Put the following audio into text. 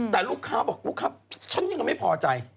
แต่ลูกค้าบอกลูกค้าฉันยังไม่พอใจ